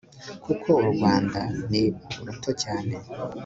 Kuko uru Rwanda ni ùruto cyane